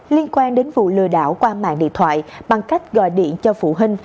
liên quan đến vụ lừa đảo qua mạng điện thoại bằng cách gọi điện cho phụ huynh